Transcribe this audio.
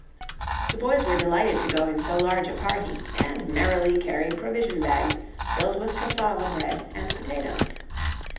The boys were delighted to go in so large a party, and merrily carried provision bags filled with cassava bread and potatoes.